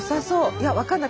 いや分かんない。